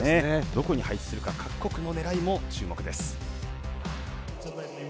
どこに配置するか各国の狙いも注目です。